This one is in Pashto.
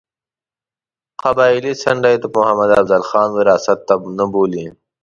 قبایلي څنډه یې د محمد افضل خان وراثت نه بولي.